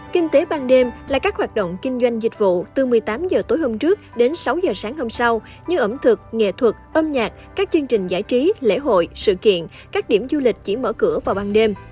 kinh tế ban đêm là các hoạt động kinh doanh dịch vụ từ một mươi tám h tối hôm trước đến sáu h sáng hôm sau như ẩm thực nghệ thuật âm nhạc các chương trình giải trí lễ hội sự kiện các điểm du lịch chỉ mở cửa vào ban đêm